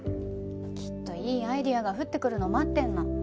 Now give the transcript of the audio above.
きっといいアイデアが降ってくるのを待ってるの。